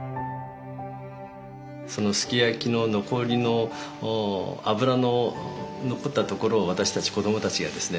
そのすき焼きの残りの脂の残ったところを私たち子供たちがですね